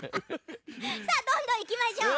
さあどんどんいきましょう。